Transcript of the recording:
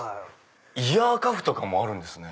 イヤーカフとかもあるんですね。